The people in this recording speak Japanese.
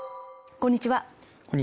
こんにちは